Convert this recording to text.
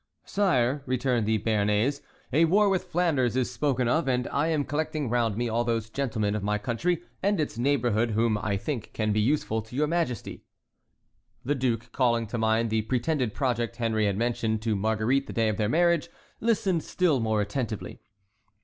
"Sire," returned the Béarnais, "a war with Flanders is spoken of, and I am collecting round me all those gentlemen of my country and its neighborhood whom I think can be useful to your Majesty." The duke, calling to mind the pretended project Henry had mentioned to Marguerite the day of their marriage, listened still more attentively.